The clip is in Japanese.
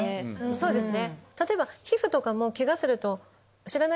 そうですね。